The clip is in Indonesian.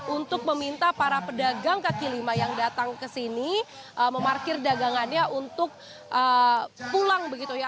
untuk meminta para pedagang kaki lima yang datang ke sini memarkir dagangannya untuk pulang begitu ya